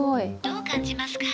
「どう感じますか？」。